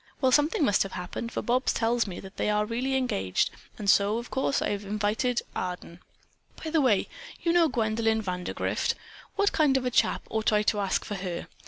"Well, something must have happened, for Bobs tells me that they are really engaged, and so, of course I have also invited Arden. By the way, you know Gwendolyn Vandergrift. What kind of a chap ought I to ask for her?